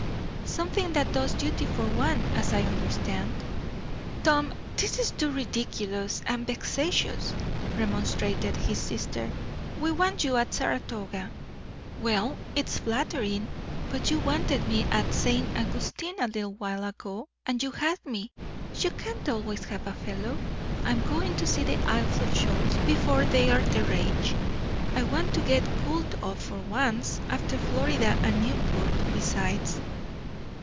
"Something that does duty for one, as I understand." "Tom, this is too ridiculous, and vexatious," remonstrated his sister. "We want you at Saratoga." "Well, it is flattering; but you wanted me at St. Augustine a little while ago, and you had me. You can't always have a fellow. I'm going to see the Isles of Shoals before they're the rage. I want to get cooled off, for once, after Florida and Newport, besides."